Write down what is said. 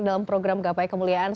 dalam program gapai kemuliaan